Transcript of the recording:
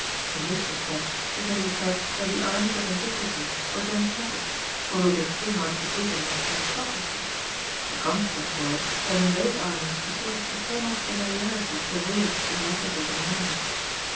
In this respect it may be said that the armies of antiquity were democratic, although they came out of the bosom of aristocracy; the consequence was that in those armies a sort of fraternal familiarity prevailed between the officers and the men.